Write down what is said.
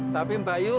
tapi mbak yu